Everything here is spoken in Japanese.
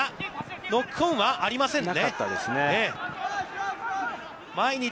ノックオンはありませんね。